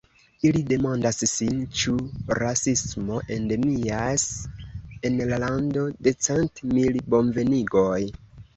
Ili demandas sin, ĉu rasismo endemias en la lando de cent mil bonvenigoj.